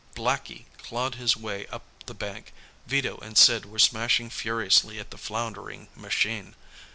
Blackie clawed his way up the bank. Vito and Sid were smashing furiously at the floundering machine.